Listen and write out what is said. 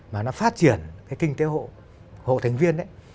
mà nó phát triển cái kinh tế hộ hộ thành viên ấy